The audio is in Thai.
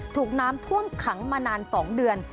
ถูกน้ำท่วมขังมานาน๒เดือน